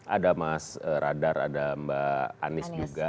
ada mas radar ada mbak anies juga